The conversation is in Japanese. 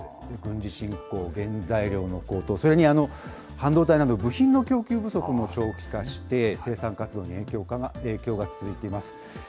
軍事侵攻、原材料の高騰、それに半導体など、部品の供給不足も長期化して、生産活動への影響が続いています。